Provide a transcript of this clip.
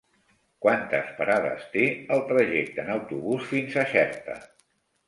Quantes parades té el trajecte en autobús fins a Xerta?